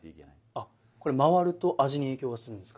あっこれ回ると味に影響するんですか。